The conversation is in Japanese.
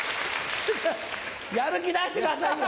やる気出してくださいよ！